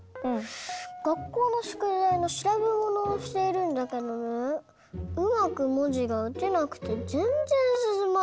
がっこうのしゅくだいのしらべものをしているんだけどねうまくもじがうてなくてぜんぜんすすまないんだよ。